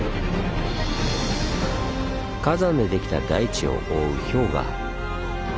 火山でできた大地を覆う氷河。